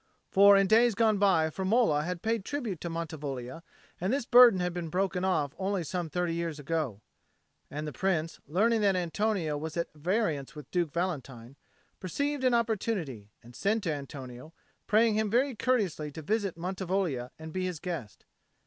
For in days gone by Firmola had paid tribute to Mantivoglia, and this burden had been broken off only some thirty years; and the Prince, learning that Antonio was at variance with Duke Valentine, perceived an opportunity, and sent to Antonio, praying him very courteously to visit Mantivoglia and be his guest.